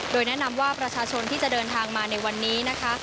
โดยแนะนำว่าประชาชนที่จะเดินทางมาในวันนี้นะคะ